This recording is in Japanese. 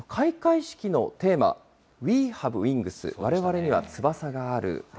開会式のテーマ、ＷＥＨＡＶＥＷＩＮＧＳ、われわれには翼がある。